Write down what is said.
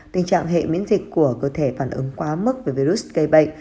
tình trạng hệ miễn dịch của cơ thể phản ứng quá mức về virus gây bệnh